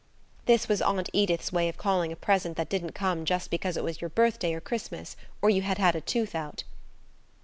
This was Aunt Edith's way of calling a present that didn't come just because it was your birthday or Christmas, or you had had a tooth out.